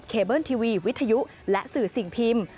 เบิ้ลทีวีวิทยุและสื่อสิ่งพิมพ์